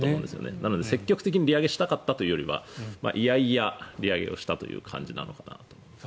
なので積極的に利上げしたかったというよりは嫌々、利上げをしたという感じなのかなと。